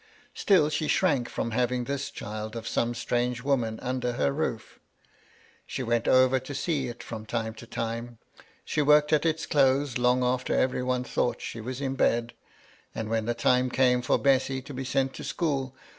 Still she shrank from having this child of some strange woman under her roof. She went over to see it from time to time ; she worked at its clothes long after every one thought she was in bed ; and, when the time came for Bessy to be sent to school.